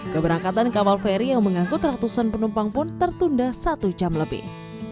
keberangkatan kapal feri yang mengangkut ratusan penumpang pun tertunda satu jam lebih